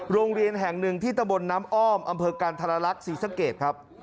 โรงเรียนแห่งหนึ่งที่ตะบนน้ำอ้อมอำเภอกันธรรลักษณ์ศรีสะเกตครับ